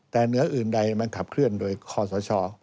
แต่เหนืออื่นใดมันขับเคลื่อนโดยคอสช